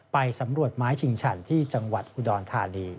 ไปสำรวจไม้ชิงฉันที่จังหวัดอุดรธานี